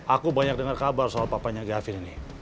aku banyak dengar kabar soal papanya gavin ini